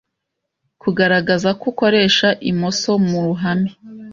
kugaragaza ko ukoresha imoso mu ruhame